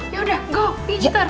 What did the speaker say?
ya udah go pintar